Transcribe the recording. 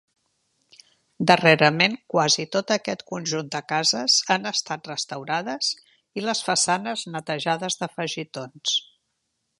Darrerament quasi tot aquest conjunt de cases han estat restaurades i les façanes netejades d'afegitons.